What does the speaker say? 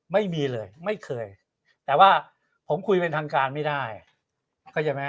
ไม่มีเลยไม่เคยแต่ว่าผมคุยเป็นทางการไม่ได้เข้าใจไหม